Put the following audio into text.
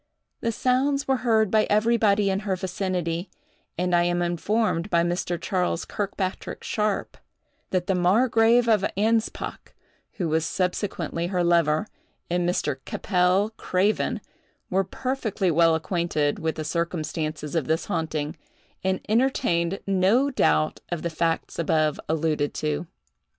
The sounds were heard by everybody in her vicinity; and I am informed by Mr. Charles Kirkpatrick Sharpe, that the margrave of Anspach, who was subsequently her lover, and Mr. Keppel Craven, were perfectly well acquainted with the circumstances of this haunting, and entertained no doubt of the facts above alluded to.